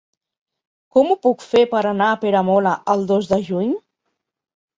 Com ho puc fer per anar a Peramola el dos de juny?